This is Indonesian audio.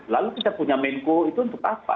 lalu kita punya menko itu untuk apa